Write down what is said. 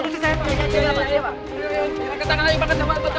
ketangkan lagi pak ketangkan